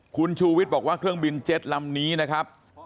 คุณชูวิทย์บอกว่าเครื่องบินเจ็ตลำนี้นะครับ